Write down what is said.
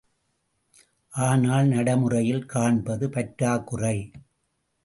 ஆனால் நடைமுறையில் காண்பது பற்றாக்குறை.